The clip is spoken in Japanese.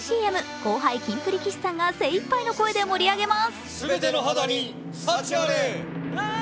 後輩、キンプリ・岸さんが精一杯の声で盛り上げます。